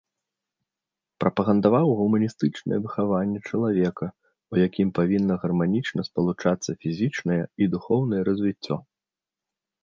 Прапагандаваў гуманістычнае выхаванне чалавека, у якім павінна гарманічна спалучацца фізічнае і духоўнае развіццё.